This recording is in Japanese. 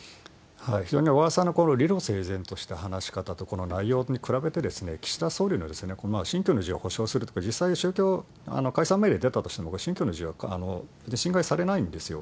非常に小川さんの理路整然とした話し方とこの内容に比べて、岸田総理のこの信教の自由を保障するとか、実際、宗教、解散命令出たとしても、信教の自由って侵害されないんですよ。